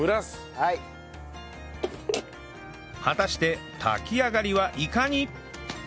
果たして炊き上がりはいかに？